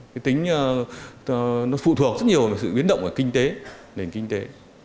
cái tính nó phụ thuộc rất nhiều vào sự biến động của kinh tế nền kinh tế